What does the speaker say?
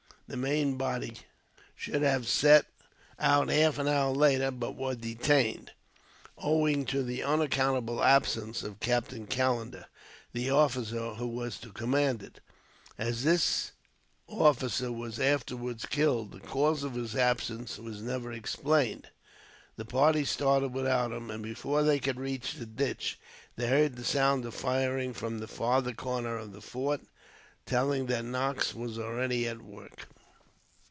The main body should have set out half an hour later, but were detained, owing to the unaccountable absence of Captain Callender, the officer who was to command it. As this officer was afterwards killed, the cause of his absence was never explained. The party started without him, and before they could reach the ditch, they heard the sound of firing from the farther corner of the fort, telling that Knox was already at work.